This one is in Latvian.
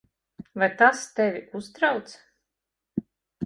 Vai tas tevi uztrauc?